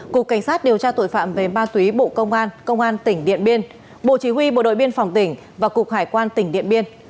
cục cảnh sát điều tra tội phạm về ma túy bộ công an công an tỉnh điện biên bộ chỉ huy bộ đội biên phòng tỉnh và cục hải quan tỉnh điện biên